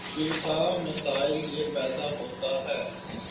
چوتھا مسئلہ یہ پیدا ہوتا ہے